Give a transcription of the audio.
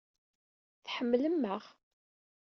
Tḥemmlem-aɣ.